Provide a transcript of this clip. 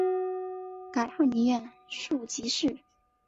改翰林院庶吉士。